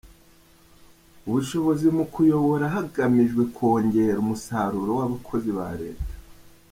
ubushobozi mu kuyobora hagamijwe kongera umusaruro w‟abakozi ba Leta.